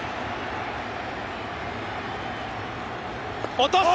落とす！